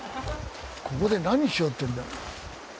ここで何しようっていうんだ。